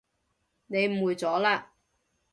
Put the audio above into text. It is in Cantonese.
你誤會咗喇